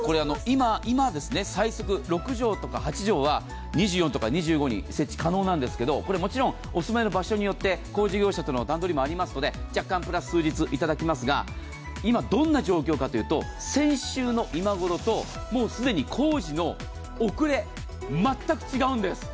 今、最速６畳とか８畳は２４日などに設置が可能なんですけど、もちろんお住まいの場所によって工事業者の調整もありますので若干プラス数日いただきますが、今どんな状況かというと先週の今ごろと、既に工事の遅れ、全く違うんです。